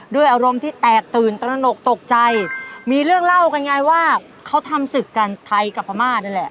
ด้วยอารมณ์ที่แตกตื่นตระหนกตกใจมีเรื่องเล่ากันไงว่าเขาทำศึกกันไทยกับพม่านั่นแหละ